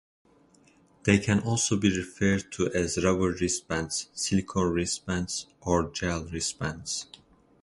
They can also be referred to as rubber wristbands, silicone wristbands or gel wristbands.